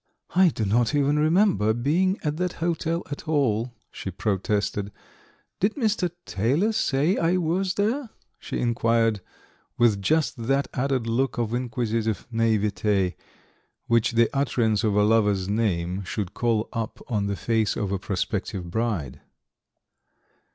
"I do not even remember being at that hotel at all," she protested. "Did Mr. Taylor say I was there?" she inquired, with just that added look of exquisite naïveté which the utterance of a lover's name should call up on the face of a prospective bride.